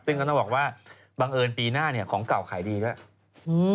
ซึ่งก็ต้องบอกว่าบังเอิญปีหน้าเนี่ยของเก่าขายดีด้วย